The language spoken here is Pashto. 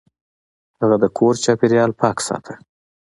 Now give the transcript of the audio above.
هغه د کور چاپیریال پاک ساته.